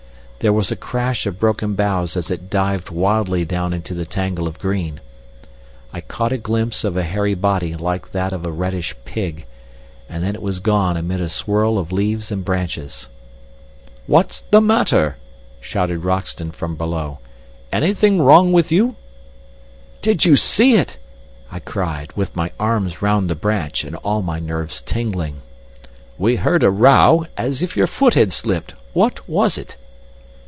There was a crash of broken boughs as it dived wildly down into the tangle of green. I caught a glimpse of a hairy body like that of a reddish pig, and then it was gone amid a swirl of leaves and branches. "What's the matter?" shouted Roxton from below. "Anything wrong with you?" "Did you see it?" I cried, with my arms round the branch and all my nerves tingling. "We heard a row, as if your foot had slipped. What was it?"